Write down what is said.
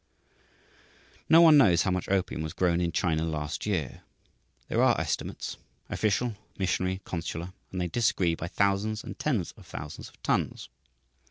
No one knows how much opium was grown in China last year. There are estimates official, missionary, consular; and they disagree by thousands and tens of thousands of tons.